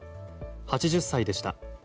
８０歳でした。